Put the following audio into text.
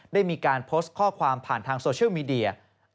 ได้มีการโพสต์ข้อความผ่านทางโซเชียลมีเดีย